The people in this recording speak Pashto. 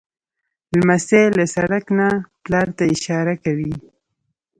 لمسی له سړک نه پلار ته اشاره کوي.